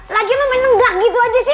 lagi lo main nenggak gitu aja sih